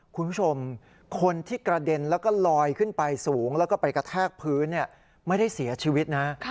คุณผู้ชมคนที่กระเด็นแล้วก็ลอยขึ้นไปสูงแล้วก็ไปกระแทกพื้นไม่ได้เสียชีวิตนะ